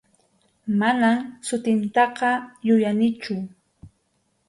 Manam sutintaqa yuyanichu.